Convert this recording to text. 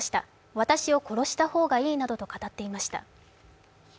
私を殺した方がいいなどと語っていました。